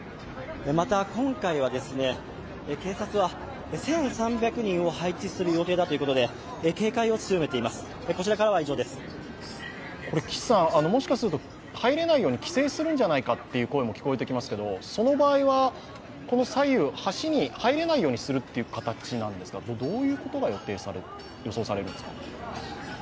また今回は警察は１３００人を配置する予定だということでもしかすると入れないように規制するんじゃないかという声も聞こえてきますけれども、その場合はこの左右、橋に入れないようにするという形なんですか、どういうことが予想されるんですか？